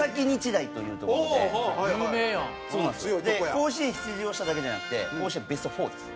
甲子園出場しただけじゃなくて甲子園ベスト４です。